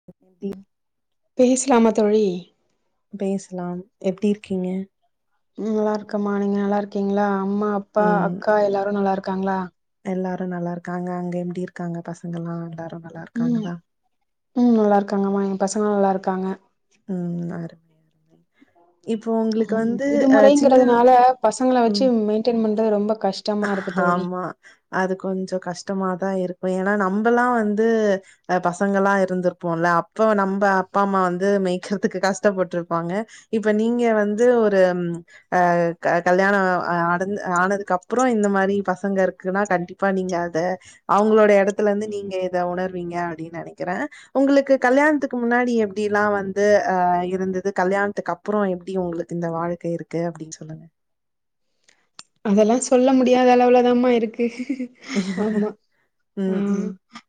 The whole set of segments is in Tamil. [unintelligible] பேசலாமா தோழி பேசலாம் எப்டியிருக்கீங்க ம் நல்லா இருக்கம்மா நீங்க நல்லா இருக்கீங்ளா அம்மா அப்பா அக்கா எல்லாரு நல்லா இருக்காங்ளா எல்லாரு நல்லா இருக்காங்க அங்க எப்டி இருக்காங்க பசங்கெல்லா எல்லாரு நல்லா ம் இருக்காங்ளா ம் நல்லாருக்காங்கம்மா எ பசங்கல்லா நல்லாருக்காங்க ம் அ ம் வந்து அ சின்ன விடுமுறைங்கிறதுனால பசங்கள வெச்சு ம். மெயின்டென் பண்றது ரொம்ப கஷ் ஆமா அது கொஞ்சோ கஷ்டமாதா இருக்கு ஏனா நம்பல்லா வந்து ஆ பசங்கள்ளா இருந்திருப்போல அப்ப நம்ம அப்பா அம்மா வந்து மேய்க்கறதுக்கு கஷ்டப்பட்ருப்பாங்க இப்ப நீங்க வந்து ஒரு ம் அ க கல்யாண அ ஆடந் ஆனதுக்கப் புறோ இந்த மாரி பசங்க இருக்குனா கண்டிப்பா நீங்க அத அவங்களோட எடத்துல இருந்து நீங்க இத உணர்வீங்க அப்டின் நெனைக்கிறே உங்குளுக்கு கல்யாண்த்துக்கு முன்னாடி எப்டிலா வந்து அ இருந்துது கல்யாணத்துக்கு அப் புறோ எப்டி உங்குளுக்கு இந்த வாழ்க்க இருக்கு அப்டின் சொல்லுங்க அதெல்லா சொல்ல முடியாத அளவுளதாமா இருக்கு ஆமா ஆ ம், ம்,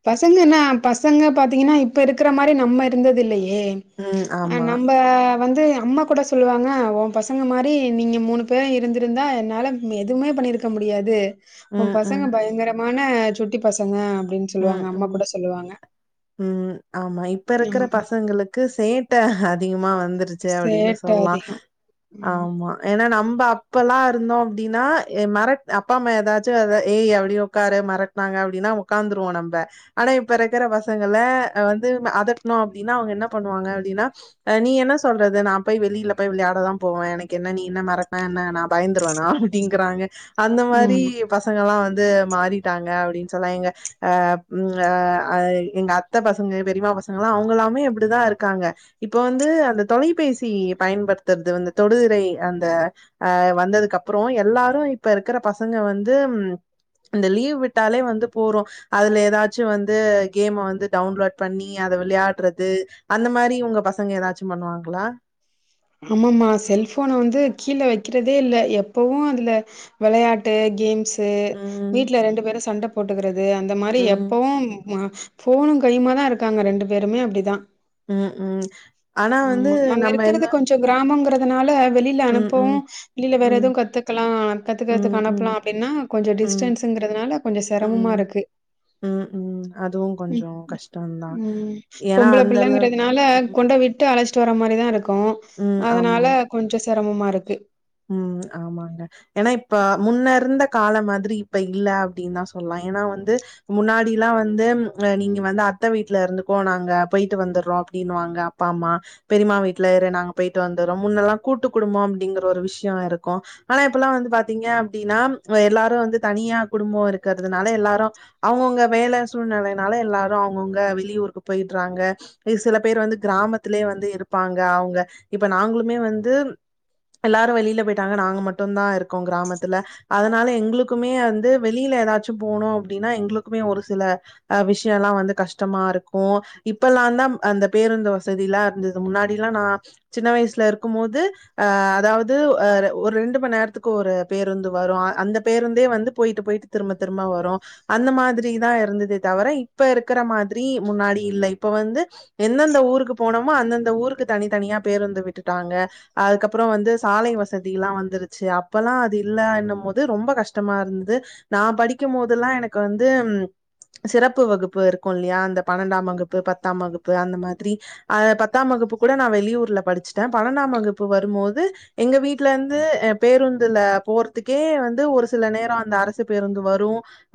பசங்கன்னா பசங்க பாத்தீங்கன்னா இப்போ இருக்கிற மாரி நம்ம இருந்தது இல்லையே ம். அ ஆமா. நம்ப வந்து அம்மா கூட சொல்லுவாங்க உ பசங்க மாரி நீங்க மூணு பேரு இருந்திருந்தா என்னால நீ எதும்மே பண்ணிருக்க முடியாது உ ம், பசங்க ம், பயங்கரமான சுட்டி பசங்க அப்டின் ம் ம் ம் ஆமா இப்ப இருக்கிற ஆமாமா. பசங்களுக் கு சேட்ட அதிகமா வந்துருச்சு அப்டினு சேட்டை சொல்லா அதிகம். ம். ஆமா ஏன்னா நம்ப அப்பல்லா இருந்தோ அப்டின்னா எ மெரட் அப்பா அம்மா ஏதாச்சு அத ஏய் அப்டி உக்காரு மரட் டினாங்க அப்டினா உக்காந்துருவோ நம்ப ஆனா இப்ப இருக்கிற பசங்கள்ள அ வந்து அதட்னோ அப்டின்னா அவங்க என்ன பண்ணுவாங்க அப்டின்னா அ நீ என்ன சொல்றது நா போய் வெளில போய் விளையாட தா போவே எனக்கு என்ன நீ என்ன மெரட்னா என்ன நா பயந்துருவானா அப்டிங்கறாங்க அந்த மாரி ஆமா. பசங்கல்லா வந்து மாறிட்டாங்க அப்டின்னு சொல்றாய்ங்க அ ம் அ அ எங்க அத்த பசங்க பெரிமா பசங்கல்லா அவுங்கலாமே இப்டிதா இருக்காங்க இப்போ வந்து அந்த தொலைபேசி பயன்படுத்துறது வந்து தொடுதிரை அந்த அ வந்ததுக்கு அப்புறோ எல்லாரு இப்ப இருக்கிற பசங்க வந்து ம் இந்த லீவ் விட்டாலே வந்து போறோ அதுல ஏதாச்சு வந்து கேம வந்து டவுன்லோட் பண்ணி அத விள்யாட்றது அந்த மாரி உங்க பசங்க ஏதாச்சும் பண்ணுவாங்களா அம்மம்மா செல்போன வந்து கீழ்ல வெக்கிறதே இல்ல எப்பவு அதுல வெளையாட்டு கேம்ஸ் து ம் வீட்டுல ரெண்டு பேரு சண்ட போட்டுக்கிறது அந்த மாரி ம் எப்பவு போஃனு கையுமா தா இருக்காங்க ரெண்டு பேருமே அப்டிதா ம் ம் ஆனா வந்து நம்ம என்ன கொஞ்சோ கிராம்ங்க அதனால வெளியில ம் அனுப்போ ம் வெளியில வேற ம் எதுவு கத்துக்கலா கத்துக்கதுக்கு ம் அனுப்பலா ம் அப்டின்னா கொஞ்சோ ம் டிஸ்டன்ஸங்கிறதுனால கொஞ்சோ செரமமா ம் இருக்கு ம் ம் அதுவு ம் கொஞ்சோ கஷ்டந்தா ம் ஏன்னா பொம்பளை அந்த அளவுக்கு பிள்ளைங்கிறதுனால ம் கொணடோ விட் டு அழைச்சிட்டு வர மாதிரிதா இருக்கு ம் அதனால ஆமா கொஞ்ச சிரமமா இருக்கு ம் ஆமாங்க ஏன்னா இப்ப முன்ன இருந்த கால மாதிரி இப்ப இல்ல அப்டின்னு தா சொல்லலா ஏன்னா வந்து முன்னாடி எல்லா வந்து அ நீங்க வந்து அத்தை வீட்டுல இருந்துக்கோக நாங்க போயிட்டு வந்துடுறோ அப்டின்னுவாங்க ப்பாமா பெரியமா வீட்டுல இரு நாங்க போயிட்டு வந்துறோ முன்னெல்லாம் கூட்டு குடும் போம் அப்டிங்கிற ஒரு விஷயோ இருக்கும ஆனா இப்ப எல்லா வந்து பாத்தீங்க அப்டின்னா எல்லாரு வந்து தனியா குடும்போ இருக்கிறதுனால எல்லாரு அவங்கவுங்க வேல சூழ்நிலைனால எல்லாரு அவங்கவுங்க வெளியூருக்கு போயிடுறாங்க ஒரு சில பேர் வந்து கிராமத்துலயே வந்து இருப்பாங்க அவங்க இப்ப நாங்களுமே வந்து எல்லாரு வெளியில போயிட்டாங்க நாங்க மட்டும்தா இருக்கோ கிராமத்துல அதனால எங்களுக்குமே வந்து வெளியில ஏதாச்சு போனு அப்டின்னா எங்களுக்குமே ஒரு சில அ விஷயோ எல்லா வந்து கஷ்டமா இருக்கு இப்பெல்லா தா அந்த பேருந்து வசதி எல்லா இருந்து து முன்னாடில்லா நா சின்ன வயசுல இருக்கும் போது அ அதாவ்து அ ர ஒரு ரெண்டு மண் நேரத்துக்கு ஒரு பேருந்து வரு அ அந்த பேருந்தே வந்து போயிட்டு போய்ட்டு திரும்ப திரும்ப வரு அந்த மாதிரிதா இருந்ததே தவர இப்ப இருக்குற மாதிரி முன்னாடி இல்ல இப்ப வந்து எந்தெந்த ஊருக்கு போனோமோ அந்தந்த ஊருக்கு தனித்தனியா பேருந்து விட்டுட்டாங்க அதுக்கப்பறோ வந்து சாலை வச சதிகல்லா வந்துருச்சு அப்பல்லா அது இல்ல என்னும் போது ரொம்ப கஷ்டமா இருந்தது நா படிக்குமோதெல்லா எனக்கு வந்து ம் சிறப்பு வகுப்பு இருக்கு இல்லையா அந்த பன்னெண்டாம் வகுப்பு பத்தாம் வகுப்பு அந்த மாதிரி அ பத்தாம் வகுப்பு கூட நா வெளியூர்ல படிச்சுட்டே பன்னெண்டாம் வகுப்பு வரும்போது எங்க வீட் ட்ல இருந்து அ பேருந்துல போறதுக்கே வந்து ஒரு சில நேரோ அந்த அரசு பேருந்து வரு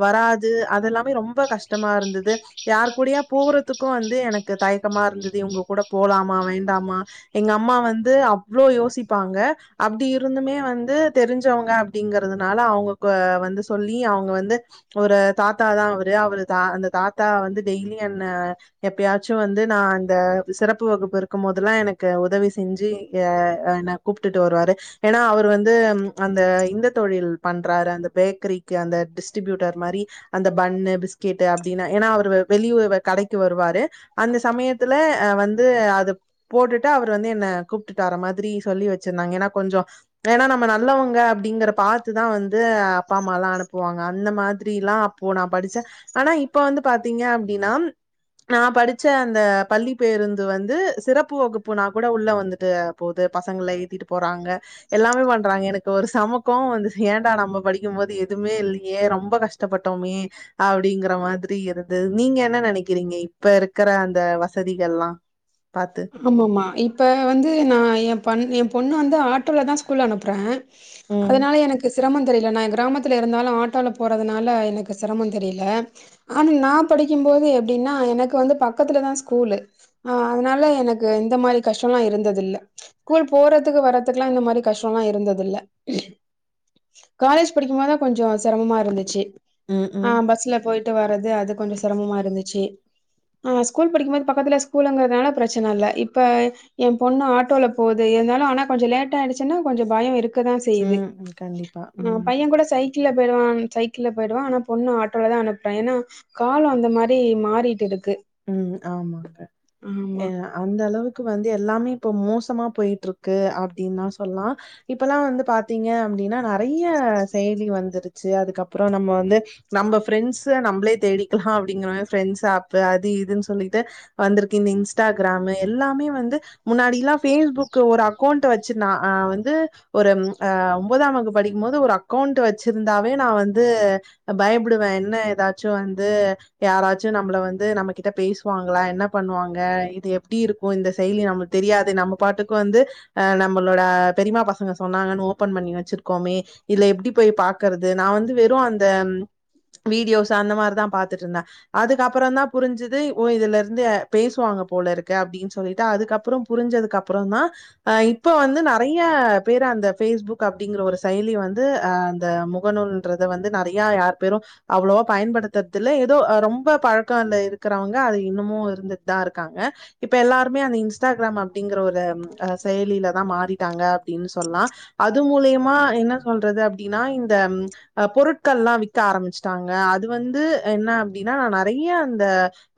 வராது அதெல்லாமே ரொம்ப கஷ்டமா இருந்துது யார் கூடாய போறத்துக்கு வந்து எனக்கு தயக்கமா இருந்தது இவங்க கூட போலாமா வேண்டாமா எங்க அம்மா வந்து அவ்ளோ யோசிப்பாங்க அப்டி இருந்துமே வந்து தெரிஞ்சவங்க அப்டிங்கறதுனால அவங்க கொ வந்து சொல்லி அவங்க வந்து ஒரு தாத்தாதா அவரு அவரு த அந்த தாத்தா வந்து டெய்லி என்ன எப்பயாச்சு வந்து நா அந்த சிறப்பு வகுப்பு இருக்கும் போதல்லா எனக்கு உதவி செஞ்சு ஏ என்ன கூப்ட்டுட்டு வருவாரு ஏனா அவர் வந்து அந்த இந்த தொழில் பண்றாரு அந்த பேக்கரிக்கு அந்த டிஸ்ட்ரிபியூட்டர் மாரி அந்த பண்ணு பிஸ்கெட்டு் அப்டின்னா ஏனா அவரு வ வெளியூ வ கடைக்கு வருவாரு அந்த சமயத்துல அ வந்து அது போட்டுட்டு அவர் வந்து என்ன கூப்ட்டுட்டு வர மாதிரி சொல்லி வச் சிருந்தாங்க ஏனா கொஞ்சொ ஏனா நம்ம நல்லவங்க அப்டிங்கற பாத்துதா வந்து அப்பா அம்மாலா அனுப்புவாங்க அந்த மாதிரில்லா அப் போ நா படிச்சே ஆனா இப்ப வந்து பாத்தீங்க அப்டின்னா நா படிச்ச அந்த பள்ளி பேருந்து வந்து சிறப்பு வகுப்புனா கூட உள்ளே வந்துட்டு போது பசங்கள ஏத்திட்டு போறாங்க எல்லாமே பண்றாங்க எனக்கு ஒரு செம கோவோ வந்துச் ஏன்டா நம்ம படிக்கும் போது எதுவுமே இல்லியே ரொம்ப கஷ் ட்ட பட்டோமே அப்டிங்கற மாதிரி இருந்து நீங்க என்ன நெனைக்கிறீங்க இப்ப இருக்கிற அந்த வசதிகள்ல்லா பாத்து ஆமாமா இப்போ வந்து நா எ பண் எ பொண்ணு வந்து ஆட்டோலதா ஸ்கூல் அனுப்புறே ம் அதனால எனக்கு சிரமோந் தெரில நா எ கிராமத்துல இருந்தாலு ஆட்டோல போறதுனால எனக்கு செரமோந் தெரில ஆன் நா படிக்கும் போது எப்டின்னா எனக்கு வந்து பக்கத்துலதா ஸ்கூலு ஆ அதுனால எனக்கு இந்த மாரி கஷ்டோலா இருந்ததில்ல ஸ்கூல் போறதுக்கு வர்றதுக்லா இந்த மாரி கஷ்டோலா இருந்ததில்ல காலேஜ் படிக்குமோதா கொஞ்சோ செரமமா இருந்துச்சு ம் அ ம் பஸ்ல போய் ட்டு வர்றது அது கொஞ்சோ செரமமா இருந்துச்சு அ ஸ்கூல் படிக்கும் போது பக்கத்துல ஸ்கூலுங்கறதுனால பிரச் சன ல்ல இப்ப எ பொண்ணு ஆட்டோல போது இருந்தாலு ஆனா கொஞ்சோ லேட் ஆயிடுச்சுன்னா கொஞ்சோ பயோ இரு க்கதா செய்து ம் ம், கண்டிப்பா அ ம் பைய கூட சைக் கிள்ல போயிருவா சைக்கிள்ல போயிடுவா ஆனா பொண்ணு ஆட்டோலதா அனுப்றே ஏனா காலோ அந்த மாரி மாறீட்டிருக்கு ம் ஆமாங்க எ அ அந்த அளவுக்கு வந்து எல்லாமே இப்ப மோசமா போயிட்ருக்கு அப்டின்தா சொல்லா இப்பல்லா வந்து பாத்தீங்க அப்டின்னா நெறைய செயலி வந்துருச்சு அதுக்கப்றோ நம்ம வந்து நம்ம ஃப்ரெண்ட்ஸு நம்ளே தேடிக்லா அப்டிங்கிறமா ஃப்ரெண்ட்ஸ் ஆப்பு அது இதுன் சொல்லீட்டு வந்துருக்கு இந்த இன்ஸ்டாகிராமு எல்லாமே வந்து முன்னாடில்லா ஃபேஸ்புக்கு ஒரு அக்கௌன்ட்ட வச்சு நா அ வந்து ஒரு அ ஒன்பதா வகுப் படிக்குமோது ஒரு அக்கோண்ட்டு வெச்சிருந்தாவே நா வந்து பயப்டுவ என்ன எதாச்சு வந்து யாராச்சு நம்ள வந்து நமக் கிட்ட பேஸ்வாங்ளா என்ன பண்ணுவாங்க இது எப்டி இருக்கோ இந்த செய்லி நம்ளுக் தெரியாது நம்ம பாட்டுக்கு வந்து அ நம்மளோட பெரிமா பசங்க சொன்னாங்கன் ஓப்பன் பண்ணி வச்சிருக்கோமே இத்ல எப்டி போய் பாக்கறது நா வந்து வெறு அந்த வீடியோஸ் அந்த மாரிதா பாத்துட்ருந்த அதுக்கப்பறோந்தா புரிஞ்சுது ஓ இதுலருந்து பேசுவாங்க போலருக்கு அப்டீன் சொல்ட்டு அதுக்கப்புறோ புரிஞ்சதுக் அப்புறோந்தா அ இப்ப வந்து நெறய பேரு அந்த ஃபேஸ்புக் அப்டிங்ற ஒரு செயலி வந்து அ அந்த முகநூல் ன்றத வந்து நெறய யார் பேரு அவ்ளோவா பயன்படுத்தர்தில்ல எதோ அ ரொம்ப பழ க்காண்ட இருக்கறவ்ங்க அது இன்னுமு இருந்துட்தாருக்காங்க இப்ப எல்லாருமே அந்த இன்ஸ்டாகிராம் அப்டிங்கற ஒரு அ செயலிலதா மாறிட்டாங்க அப்டின் சொல்லா அது மூலியமா என்ன சொல்றது அப்டின்னா இந்த அ பொருட்கள்ல்லா வி்க்க ஆரம்ச்ட்டாங்க அது வந்து என்ன அப்டினா நா நறய அந்த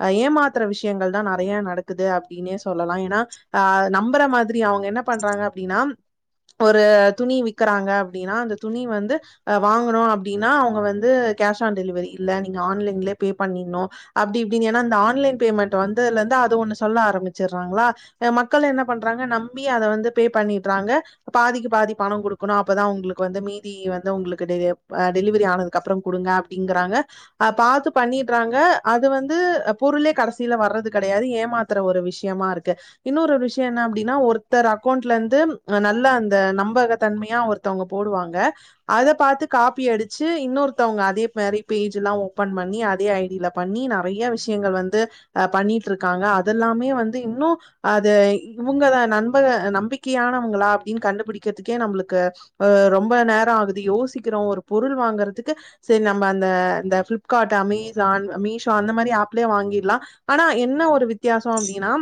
அ ஏமாத்துற விஷ்யங்கள்தா நறைய நடக்குது அப்டினே சொல்லலா எனா அ நம்பற மாதிரி அவுங்க என்ன பண்றாங்க அப்டினா ஒரு துணி விக்கறாங்க அப்டினா அந்த துணி வந்து வாங்கணு அப்டினா அவுங்க வந்து கேஷ் ஆன் டெலிவரி இல்ல நீங்க ஆன்லைன்லே பே பண்ணி னோ அப்டி இப்டினு ஏனா இந்த ஆன்லைன் பேமெண்ட் வந்தத்லந்து அது ஒண்ணு சொல்ல ஆரமிச்சிர்றாங்ளா அ மக்கள் என்ன பண்றாங்க நம்பி அத வந்து பே பண்ணிட்றாங்க பாதிக்கு பாதி பணோ குடுக்கணு அப்பதா உங்ளுக்கு வந்து மீதி வந்து உங்ளுக்கு டெ அ டெலிவரி ஆனதுக்கப்பறோ குடுங்க டிங்றாங்க அ பாத்து பண்ணி ட்றாங்க அது வந்து பொருளே கடசில வர்றது கடயாது ஏமாத்துற ஒரு விஷ்யமாருக்கு இன்னோர் ஒரு விஷ்யோ என்ன அப்டினா ஒருத்தர் அக்கோண்ட்லந்து நல்ல அந்த நம்பகத்தன்மயா ஒர் தவ்ங்க போடுவாங்க அத பாத்து காப்பி அடிச்சு இன்னோர்த்தவ்ங்க அதே மாரி பேஜில்லா ஓபன் பண்ணி அத் தே ஐடில பண்ணி நறைய விஷ்யங்கள் வந்து அ பண்ணிட்ருக்காங்க அதல்லாமே வந்து இன்னூ அது இவுங்கதா நண்ம்பக நம்பிக்கையானவங்களா அப்டின் கண்டுபுடிக்கர்துக்கே நம்ளுக்கு அ ரொம்ப நேரோ ஆகுது யோசிக்கறோ ஒரு பொருள் வாங்கர்துக்கு சேர் நம்ப அந்த அந்த ஃபிளிப்கார்ட்டு அமேஸ் சான் மீஷோ அந்த மாரி அப்லே வாங்கிர்லா ஆனா என்ன ஒரு வித்யாசோ அப்டினா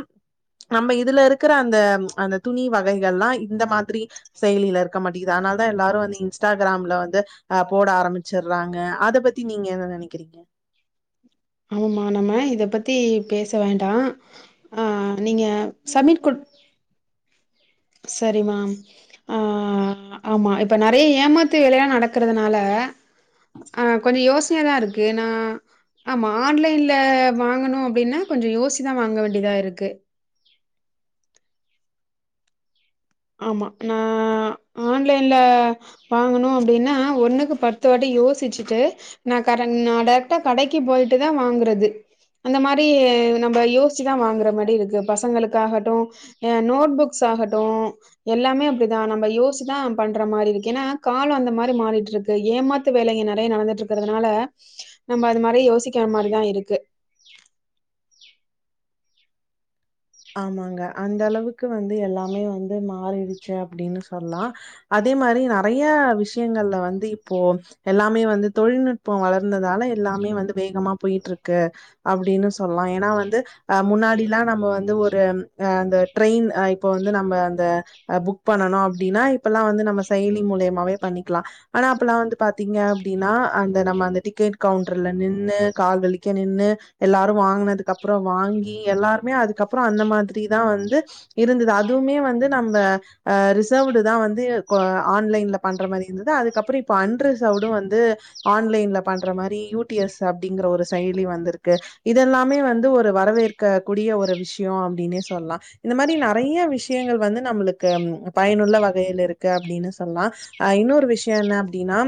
நம்ப இதுல இருக்குற அந்த அந்த துணி வகைகள்லா இந்த மாதுரி செயலில இருக்க மாட்டிங்குது அதனால தா எல்லாரு வந்து இன்ஸ்டாகிராம்ல வந்து அ போட ஆரம்பிச்சர்றாங்க அத பத்தி நீங்க என்ன நெனைக்கிறிங்க ஆமாமா நம்ம இத பத்தி பேச வேண்டா ஆ நீங்க சப்மிட் குட்த் செரி மேம் ஆ ஆமா இப்ப நெறய ஏமாத்து வேலையா நடக்குறதுனால ஆ கொஞ்சோ யோஸ்னயாதா இருக்கு எனா ஆமா ஆன்லைன்ல வாங்கணு அப்டினா கொஞ்சோ யோஸ்சிதா வாங்க வேண்டியதா இருக்கு ஆமா நா ஆன்லைன்ல வாங்கணு அப்டின்னா ஒண்ணுக்கு பத்து வாட்டி யோசிச்சிட்டு நா கரன் நா டேரைக்ட்டா கடைக்கு போயிட்டு தா வாங்குறது அந்த மாரி நம்ப யோஸ்சிதா வாங்குற மாரி இருக்கு பசங்களுக்காகட்டு அ நோட் புக்ஸ் ஆகட்டு எல்லாமே அப்டிதா நம்ப யோசிதா பண்ற மாரி இருக்கு ஏன்னா காலோ அந்த மாரி மாறிட்டு இருக்கு ஏமாத்து வேலைங்க நெறைய நடந்துட்டு இருக்கிறதுனால நம்ம அது மாரி யோசிக்கிற மாரிதா இருக்கு ஆமாங்க அந்த அளவுக்கு வந்து எல்லாமே வந்து மாறிடுச்சு அப்டின்னு சொல்லா அதே மாரி நறைய விஷயங்கள்ல வந்து இப்போ எல்லாமே வந்து தொழில்நுட்போ வளர்ந்ததால எல்லாமே வந்து வேகமா போயிட்டு இருக்கு அப்டின்னு சொல்ல ஏன்னா வந்து அ முன்னாடில்லா நம்ப வந் து ஒரு அ அந்த ட்ரெயின் அ இப்ப வந்து நம்ம அந்த அ புக் பண்ணணு அப்டின்னா இப்ப லா வந்து நம்ம செயலி முலியமாவே பண்ணிக்லா ஆனா அப்பல்லா வந்து பாத்தீங்க அப்டின்னா அந்த நம்ம அந்த டிக்கெட் கவுண்டர்ல நின்னு கல் வலிக்க நின்னு எல்லாரு வாங்குனதுக்கு அப்றோ வாங்கி எல்லாருமே அதுக்கப்றோ அந்த மாதிரி தா வந்து இருந்தது அதுவுமே வந்து நம்ப அ ரிசர்வ்டு தா வந்து கே ஆன்லைன்ல பண்ற மாரி இருந்தது அதுக்கப்றோ இப்ப அண் ரிசர்வ்டு வந்து ஆன்லைன்ல பண்ற மாரி யூ டி எஸ் அப்டிங்கற ஒரு செயலி வந்திருக்கு இதெல்லாமே வந்து ஒரு வரவேற்க கூடிய ஒரு விஷ்யோ அப்டின்னே சொல்லலா இந்த மாரி நெறைய விஷயங்கள் வந்து நம்ளுக்கு பயனுள்ள வகையில இருக்கு அப்டின்னு சொல்லா அ இன்னொரு விஷயோ என்ன அப்டின்னா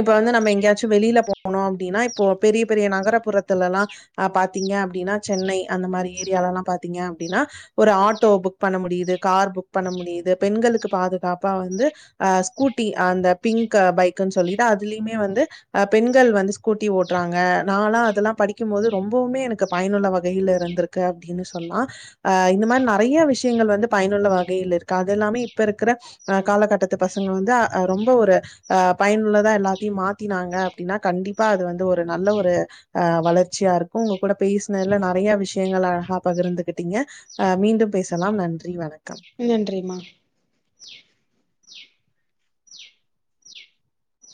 இப்ப வந்து நம்ம எங்கேயாச்சு வெளில போ ணு அப்டின்னா இப்போ பெரிய பெரிய நகரப்புறத்துலலா அ பாத்தீங்க அப்டின்னா சென்னை அந்த மாரி ஏரியாலலா பாத்தீங்க அப்டின்னா ஒரு ஆட்டோ புக் பண்ண முடியுது கார் புக் பண்ண முடியுது பெண்களுக்கு பாதுகாப்பா வந்து அ ஸ்கூட்டி அந்த பிங்க் பைக் சொல்லிட்டு அதுலயுமே வந்து அ பெண்கள் வந்து ஸ்கூட்டி ஓட்டுறாங்க நா லா அதெல்லா படிக்கு போது ரொம்பவுமே எனக்கு பயனுள்ள வகையில இருந்துருக் கு அப்டினு சொ சொல்லா அ இந்த மாரி நெறைய விஷயங்கள் வந்து பயனுள்ள வகையில் இருக்கு அது எல்லாமே இப்ப இருக்கிற அ காலகட்டத்து பசங்க வந்து ரொம்ப ஒரு அ பயனுள்ளதா எல்லாத்தையு மாத்தினாங்க அப்டின்னா கண்டிப்பா அது வந்து ஒரு நல்ல ஒரு அ வளர்ச்சியா இருக்கு உங்க கூட பேசுனதுல நறையா விஷயங்கள் அழகா பகிர்ந்துகிட்டிங்க அ மீண்டும் பேசலாம் நன்றி வணக்கம் நன்றிமா